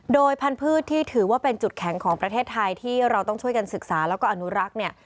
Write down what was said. โดยพันธุ์ที่ถือว่าเป็นจุดแข็งของประเทศไทยที่เราต้องช่วยกันศึกษาแล้วก็อนุรักษ์เนี่ย